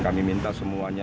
kami minta semuanya